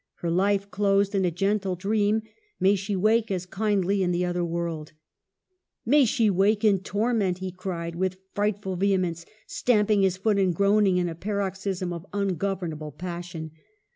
Her life closed in a gentle dream — may she wake as kindly in the other world !'"' May she wake in torment !' he cried, with frightful vehemence, stamping his foot and groan ing in a paroxysm of ungovernable passion.